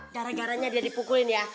gara garanya dia dipukulin ya